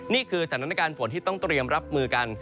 นี่คือสถานการณ์ฝนที่ต้องเตรียมรับมือกัน